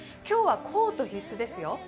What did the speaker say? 今日はコート必須ですよ。